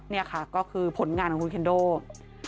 นี่ค่ะก็คือผลงานของคุณเคนโด